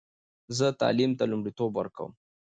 زه تعلیم ته لومړیتوب ورکوم.